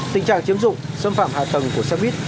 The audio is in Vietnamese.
tình trạng chiếm dụng xâm phạm hạ tầng của xe buýt